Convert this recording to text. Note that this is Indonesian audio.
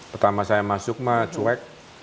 pertama saya masuk mah cuek